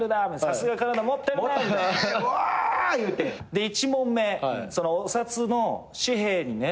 で１問目お札の紙幣にね。